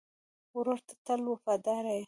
ورور ته تل وفادار یې.